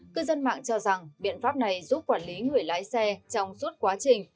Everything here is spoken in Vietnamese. cư dân mạng cho rằng biện pháp này giúp quản lý người lái xe trong suốt quá trình